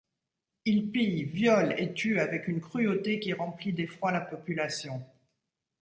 Ils pillent, violent et tuent avec une cruauté qui remplit d'effroi la population.